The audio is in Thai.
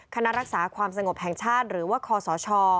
คณะรักษาความสงบแห่งชาติหรือว่าคอสช